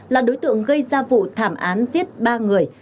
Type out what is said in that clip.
là đối tượng gây ra vụ thảm án giết ba người